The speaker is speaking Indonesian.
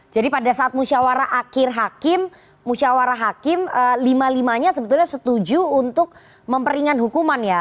jadi pada saat musyawarah akhir hakim musyawarah hakim lima limanya sebetulnya setuju untuk memperingan hukuman ya